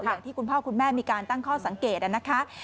อย่างที่คุณพ่อคุณแม่มีการตั้งข้อสังเกตนะคะ